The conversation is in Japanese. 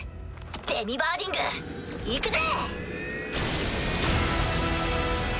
デミバーディングいくぜ！